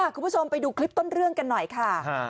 คุณผู้ชมไปดูคลิปต้นเรื่องกันหน่อยค่ะ